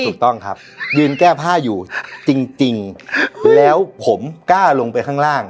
ถูกต้องครับยืนแก้ผ้าอยู่จริงแล้วผมกล้าลงไปข้างล่าง